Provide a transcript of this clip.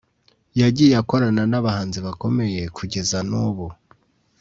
yagiye akorana n’abahanzi bakomeye kugeza n’ubu